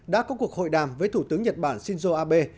đã có cuộc hội đàm với thủ tướng nhật bản shinzo abe